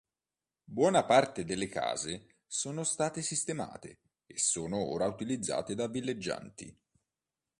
Buona parte delle case sono state sistemate e sono ora utilizzate da villeggianti.